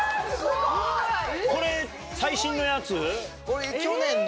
これ最新のやつ？